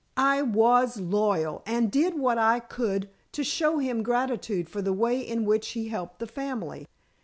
I was loyal, and did what I could to show him gratitude for the way in which he helped the family.